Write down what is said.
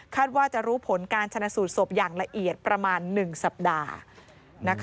ว่าจะรู้ผลการชนะสูตรศพอย่างละเอียดประมาณ๑สัปดาห์